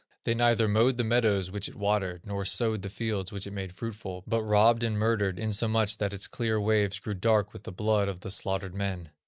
They neither mowed the meadows which it watered, nor sowed the fields which it made fruitful, but robbed and murdered, insomuch that its clear waves grew dark with the blood of the slaughtered men.